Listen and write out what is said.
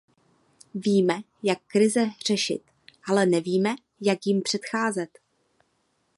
Víme, jak krize řešit, ale nevíme, jak jim předcházet.